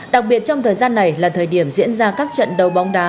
đặc biệt trong thời gian này là thời điểm diễn ra các trận đấu bóng đá